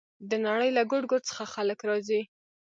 د نړۍ له ګوټ ګوټ څخه خلک راځي.